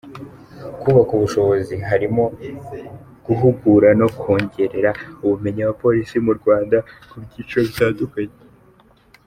Kubaka ubushobozi harimo guhugura no kongerera ubumenyi abapolisi b’u Rwanda mu byiciro bitandukanye.